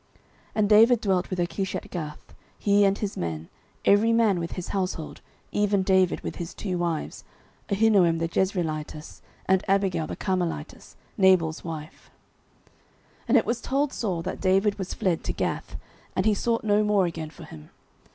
09:027:003 And David dwelt with Achish at Gath, he and his men, every man with his household, even David with his two wives, Ahinoam the Jezreelitess, and Abigail the Carmelitess, Nabal's wife. 09:027:004 And it was told Saul that David was fled to Gath: and he sought no more again for him.